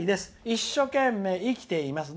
一生懸命、生きています。